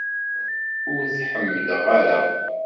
Ur t-ḥemmleɣ ara.